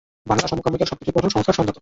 বাংলা সমকামিতা শব্দটির গঠন সংস্কৃত-সঞ্জাত।